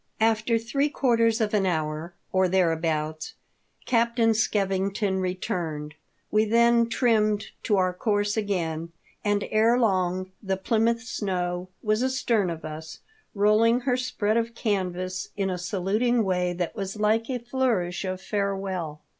After three quarters of an hour, or there abouts. Captain Skevington returned. We then trimmed to our course again, and, ere long, the Plymouth snow was astern of us, rolling her spread of canvas in a saluting way that was like a flourish of farewell A TALK OF THE DEATH SHIP.